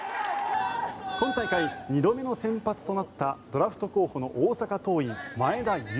今大会２度目の先発となったドラフト候補の大阪桐蔭、前田悠